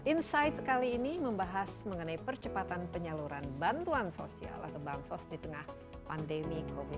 insight kali ini membahas mengenai percepatan penyaluran bantuan sosial atau bansos di tengah pandemi covid sembilan belas